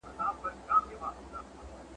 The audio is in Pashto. مُلا کوټوال وي مُلا ډاکتر وي ..